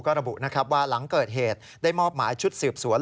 ก็ระบุนะครับว่าหลังเกิดเหตุได้มอบหมายชุดสืบสวน